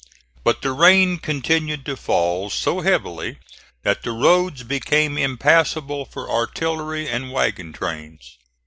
But the rain continued to fall so heavily that the roads became impassable for artillery and wagon trains.